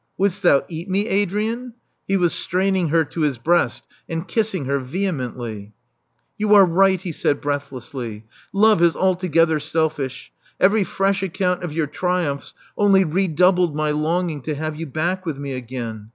wouldst thou eat me, Adrian? He was straining her to his breast and kissing her vehemently. You are right, he said breathlessly. '*Love is altogether selfish. Every fresh account of your tri umphs only redoubled my longing to have you back with me again.